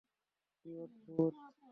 কী অদ্ভুত!